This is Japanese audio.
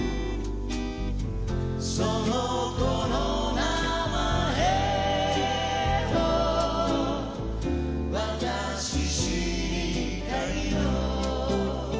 「その娘の名前を私知りたいの」